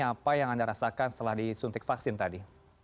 apa yang anda rasakan setelah disuntik vaksin tadi